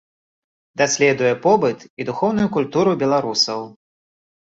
Даследуе побыт і духоўную культуру беларусаў.